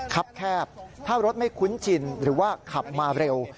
ครับแคบถ้ารถไม่คุ้นชินหรือว่าขับมาเร็ว